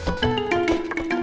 ini belom ada kok